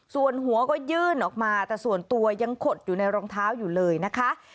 ส่วนหัวก็ยื่นออกมาแต่ส่วนตัวยังขดอยู่ในรองเท้าอยู่เลยนะคะ